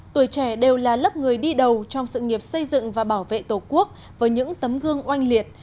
tuổi trẻ đều là lớp người đi đầu trong sự nghiệp xây dựng và bảo vệ tổ quốc với những tấm gương oanh liệt